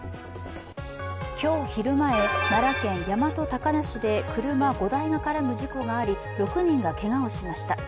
今日昼前、奈良県大和高田市で車５台が絡む事故があり６人がけがをしました。